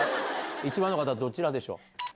１番の方どちらでしょう？